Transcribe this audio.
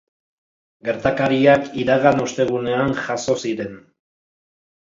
Gertakariak iragan ostegunean jazo ziren.